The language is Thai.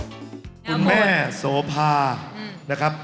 คุณแม่โสภานะครับ